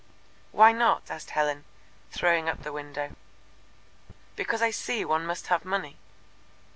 "Why not?" asked Helen, throwing up the window. "Because I see one must have money."